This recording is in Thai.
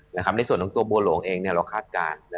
ในส่วนของตัวบัวหลวงเองเราคาดการณ์